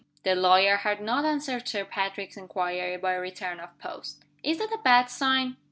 The lawyer had not answered Sir Patrick's inquiry by return of post. "Is that a bad sign?"